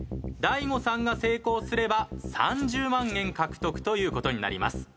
大悟さんが成功すれば３０万円獲得という事になります。